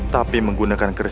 tapi menggunakan geris itu